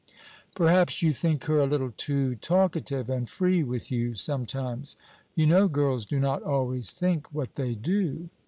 "Perhaps you think her a little too talkative and free with you sometimes; you know girls do not always think what they do."